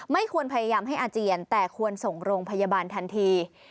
ไม่ควรพยายามให้อาเจียนแต่ควรส่งโรงพยาบาลทันที